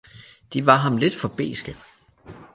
de var ham lidt for beske.